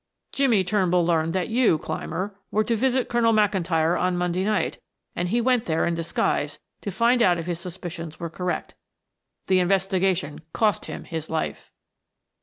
"Jimmie Turnbull learned that you, Clymer, were to visit Colonel McIntyre on Monday night, and he went there in disguise to find out if his suspicions were correct. The investigation cost him his life."